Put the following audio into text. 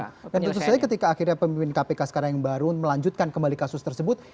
dan tentu saja ketika akhirnya pimpin kpk sekarang yang baru melanjutkan kembali kasus tersebut